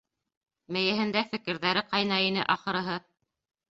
Мейеһендә фекерҙәре ҡайнай ине, ахырыһы.